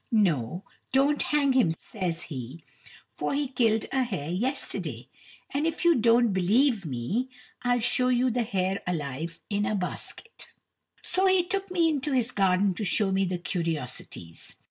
"No, don't hang him," says he; "for he killed a hare yesterday. And if you don't believe me, I'll show you the hare alive in a basket." So he took me into his garden to show me the curiosities.